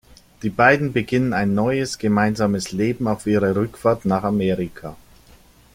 Die beiden beginnen ein neues, gemeinsames Leben auf ihrer Rückfahrt nach Amerika.